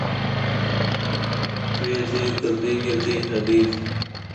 دوې دې ګردۍ ګردۍ هګۍ دي.